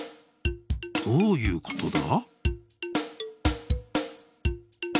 どういうことだ？